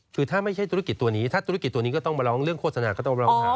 คือถ้าไม่ใช่ธุรกิจตัวนี้ถ้าธุรกิจตัวนี้ก็ต้องมาร้องเรื่องโฆษณาก็ต้องร้องหา